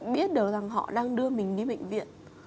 biết được rằng họ đang đưa mình đi bệnh viện